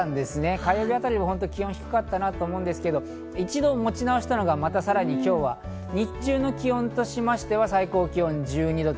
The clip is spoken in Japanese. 火曜日あたりも気温が低かったんですが、一度、持ち直したのがさらに今日は日中の気温としましては最高気温１２度。